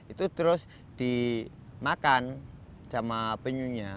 itu terus dimakan sama penyunya